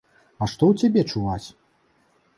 А што ў цябе чуваць?